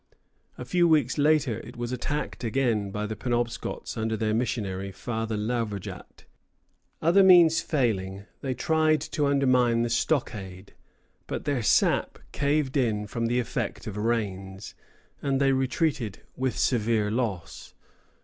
A few weeks later it was attacked again by the Penobscots under their missionary, Father Lauverjat. Other means failing, they tried to undermine the stockade; but their sap caved in from the effect of rains, and they retreated, with severe loss.